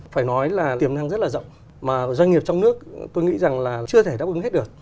phải nói là tiềm năng rất là rộng mà doanh nghiệp trong nước tôi nghĩ rằng là chưa thể đáp ứng hết được